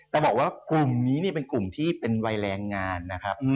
จะบอกว่ากลุ่มนี้เป็นกลุ่มที่เป็นวัยแรงงานนะครับ